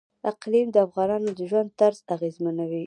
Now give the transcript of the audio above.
اقلیم د افغانانو د ژوند طرز اغېزمنوي.